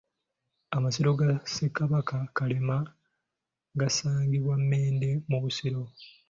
Amasiro ga Ssekabaka Kalema gasangibwa Mmende mu Busiro.